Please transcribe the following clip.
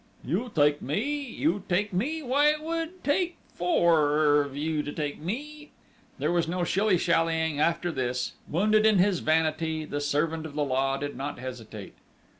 "You take me?... You take me?... Why, it would take four of you to take me!..." There was no shilly shallying after this! Wounded in his vanity, the servant of the law did not hesitate.